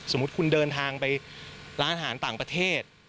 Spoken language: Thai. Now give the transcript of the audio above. สมมุติคุณเดินทางไปร้านอาหารต่างประเทศ